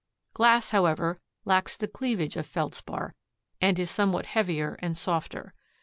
Glass, however, lacks the cleavage of Feldspar and is somewhat heavier and softer.